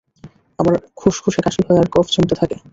আমার খুশখুশে কাশি হয় আর কফ অনেক ঘন হয়।